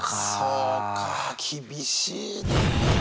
そうか厳しいね。